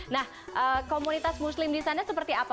nah komunitas muslim di sana seperti apa